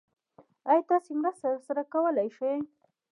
ايا تاسې مرسته راسره کولی شئ؟